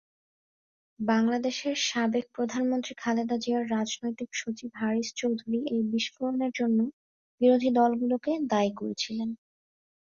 বাংলাদেশের সাবেক প্রধানমন্ত্রী খালেদা জিয়ার রাজনৈতিক সচিব হারিস চৌধুরী এই বিস্ফোরণের জন্য বিরোধী দলগুলোকে দায়ী করেছিলেন।